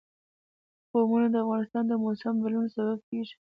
قومونه د افغانستان د موسم د بدلون سبب کېږي.